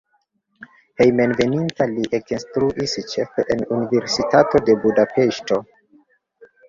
Hejmenveninta li ekinstruis ĉefe en Universitato de Budapeŝto.